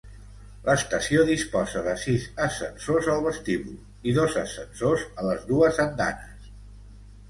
L'estació disposa de sis ascensors al vestíbul i dos ascensors a les dues andanes.